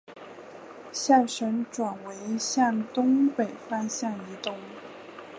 象神转为向东北方向移动。